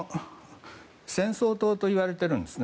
戦争党といわれています